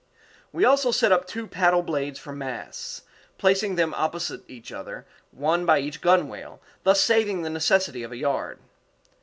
We also set up two paddle blades for masts, placing them opposite each other, one by each gunwale, thus saving the necessity of a yard.